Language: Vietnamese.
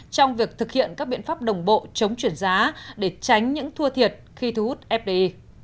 trong việc thực hiện các biện pháp đồng bộ chống chuyển giá để tránh những thua thiệt khi thu hút fdi